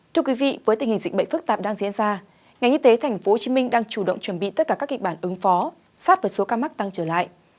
thưa quý vị với tình hình dịch bệnh phức tạp đang diễn ra ngành y tế tp hcm đang chủ động chuẩn bị tất cả các kịch bản ứng phó sát với số ca mắc tăng trở lại